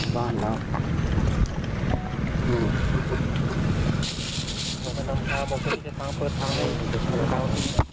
บ้านแล้ว